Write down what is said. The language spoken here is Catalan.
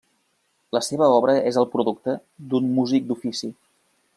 La seva obra és el producte d'un músic d'ofici.